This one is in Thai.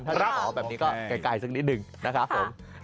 ถ้าอ๋อแบบนี้ก็ไกลสักนิดหนึ่งนะครับผม